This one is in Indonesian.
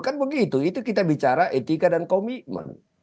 kan begitu itu kita bicara etika dan komitmen